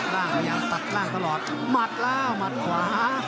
ล่างไปยังตัดล่างตลอดมัดแล้วมัดขวา